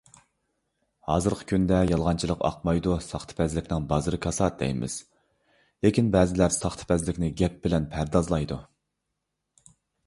ھازىرقى كۈندە يالغانچىلىق ئاقمايدۇ، ساختىپەزلىكنىڭ بازىرى كاسات دەيمىز، لېكىن بەزىلەر ساختىپەزلىكنى گەپ بىلەن پەردازلايدۇ.